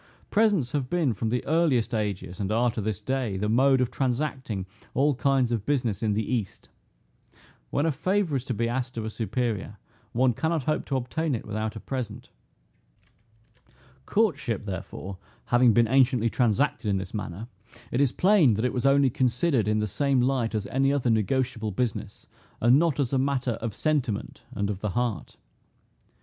Presents have been, from the earliest ages, and are to this day, the mode of transacting all kinds of business in the east. When a favor is to be asked of a superior, one cannot hope to obtain it without a present. Courtship, therefore, having been anciently transacted in this manner, it is plain, that it was only considered in the same light as any other negotiable business, and not as a matter of sentiment, and of the heart.